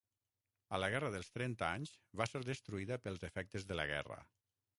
A la Guerra dels Trenta Anys va ser destruïda pels efectes de la guerra.